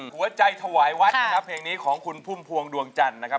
ถวายวัดนะครับเพลงนี้ของคุณพุ่มพวงดวงจันทร์นะครับ